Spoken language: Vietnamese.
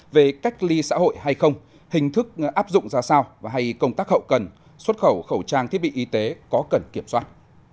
về cách ly xã hội hay không hình thức áp dụng ra sao hay công tác hậu cần xuất khẩu khẩu trang thiết bị y tế có cần kiểm soát